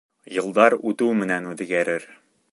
Йылдар үтеү менән үҙгәрер.